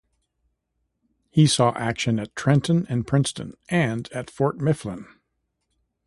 He saw action at Trenton and Princeton, and at Fort Mifflin.